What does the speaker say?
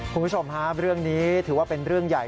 คุณผู้ชมฮะเรื่องนี้ถือว่าเป็นเรื่องใหญ่